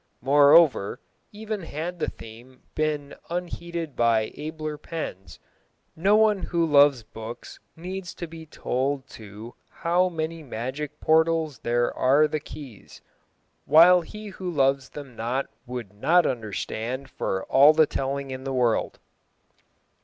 Moreover, even had the theme been unheeded by abler pens, no one who loves books needs to be told to how many magic portals they are the keys, while he who loves them not would not understand for all the telling in the world.